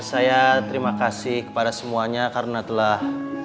saya terima kasih kepada semuanya karena telah